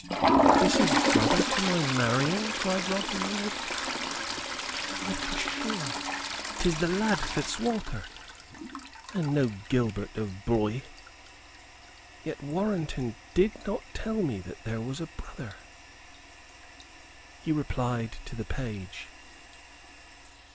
"This is brother to my Marian!" cried Robin, inwardly. "Ay, for sure, 'tis the lad Fitzwalter, and no Gilbert of Bloist Yet Warrenton did not tell me that there was a brother." He replied to the page.